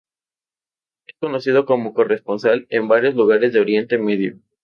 Es conocido como corresponsal en varios lugares de Oriente Medio.